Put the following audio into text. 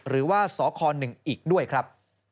หรือว่าสค๑อีกด้วยครับ